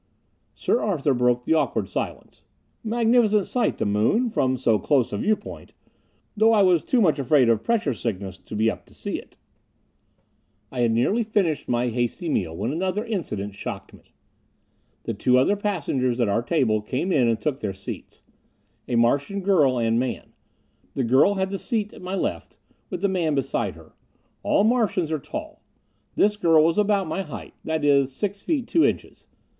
Sir Arthur broke the awkward silence. "Magnificent sight, the moon, from so close a viewpoint though I was too much afraid of pressure sickness to be up to see it." I had nearly finished my hasty meal when another incident shocked me. The two other passengers at our table came in and took their seats. A Martian girl and man. The girl had the seat at my left, with the man beside her. All Martians are tall. This girl was about my own height that is, six feet, two inches.